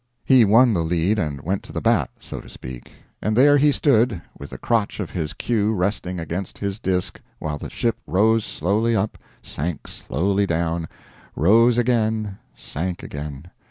He won the lead and went to the bat so to speak. And there he stood, with the crotch of his cue resting against his disk while the ship rose slowly up, sank slowly down, rose again, sank again.